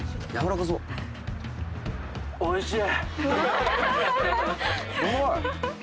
おいしい！